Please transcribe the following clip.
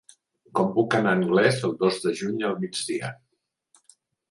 Com puc anar a Anglès el dos de juny al migdia?